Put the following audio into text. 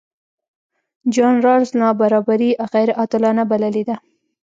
جان رالز نابرابري غیرعادلانه بللې ده.